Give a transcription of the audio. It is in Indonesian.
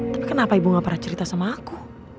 tapi kenapa ibu gak pernah cerita sama aku